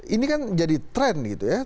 ini kan jadi tren gitu ya